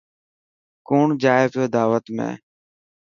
ڪوڻ جائي پيو داوت ۾.